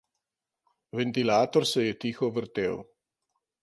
Ventilator se je tiho vrtel.